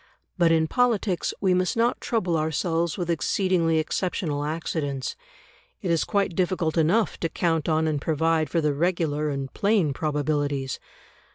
But in politics we must not trouble ourselves with exceedingly exceptional accidents; it is quite difficult enough to count on and provide for the regular and plain probabilities.